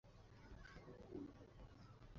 西南悬钩子是蔷薇科悬钩子属的植物。